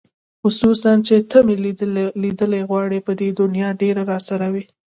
خصوصاً چې ته مې لیدلې غواړم په دې دنیا ډېره راسره وې